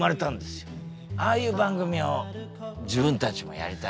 ああいう番組を自分たちもやりたいなって。